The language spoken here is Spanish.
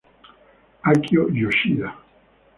Akio Yoshida